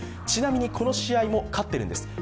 ちなみに、この試合も勝ってるんです。